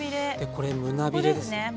これ胸ビレですね。